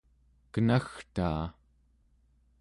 kenagtaa